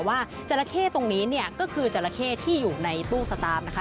จราเข้ตรงนี้เนี่ยก็คือจราเข้ที่อยู่ในตู้สตาร์ฟนะคะ